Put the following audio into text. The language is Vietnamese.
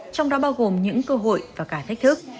trong đó bao gồm những cơ hội và cả thách thức